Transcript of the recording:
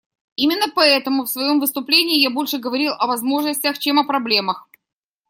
Именно поэтому в своем выступлении я больше говорил о возможностях, чем о проблемах.